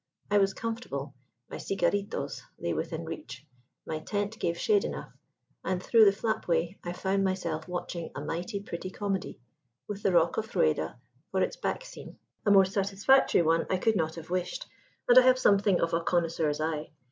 I was comfortable; my cigarritos lay within reach; my tent gave shade enough; and through the flapway I found myself watching a mighty pretty comedy, with the rock of Rueda for its back scene. A more satisfactory one I could not have wished, and I have something of a connoisseur's eye.